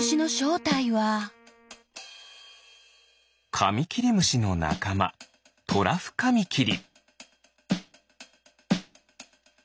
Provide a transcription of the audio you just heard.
カミキリムシのなかまトラフカミキリ。